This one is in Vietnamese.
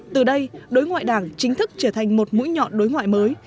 từ đây đối ngoại đảng chính thức trở thành một mũi nhọn đối ngoại mới